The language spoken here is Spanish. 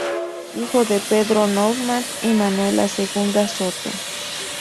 Hijo de Pedro Normand y Manuela Segunda Soto.